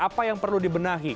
apa yang perlu dibenahi